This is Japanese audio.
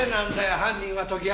犯人は時矢。